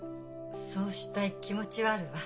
そうしたい気持ちはあるわ。